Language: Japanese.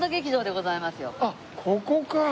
あっここか。